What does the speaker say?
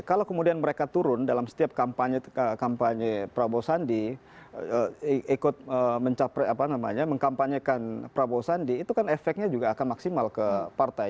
kalau kemudian mereka turun dalam setiap kampanye prabowo sandi ikut mencapai apa namanya mengkampanyekan prabowo sandi itu kan efeknya juga akan maksimal ke partai